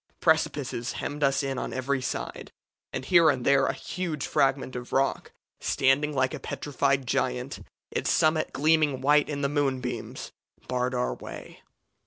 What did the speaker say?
Precipices hemmed us in on every side; and here and there a huge fragment of rock, standing like a petrified giant, its summit gleaming white in the moonbeams, barred our way.